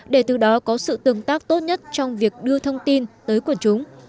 để từ đó có sự tương tác tốt nhất trong việc đưa thông tin tới quần chúng